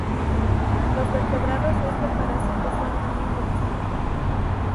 Los vertebrados de este parásito son mamíferos.